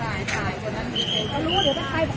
สวัสดีครับคุณพลาด